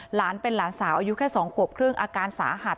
หลานเป็นหลานสาวอายุแค่๒ขวบครึ่งอาการสาหัส